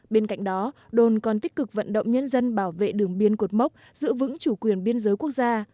bên cạnh đó đồn còn tích cực vận động nhân dân bảo vệ đường biên cột mốc giữ vững chủ quyền biên giới quốc gia